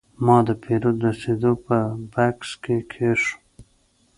ما د پیرود رسید په بکس کې کېښود.